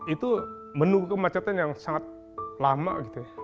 itu menunggu kemacetan yang sangat lama gitu